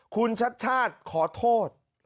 คุณชัดขอโทษ